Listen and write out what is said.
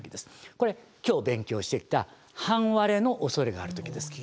これ今日勉強してきた半割れのおそれがある時です。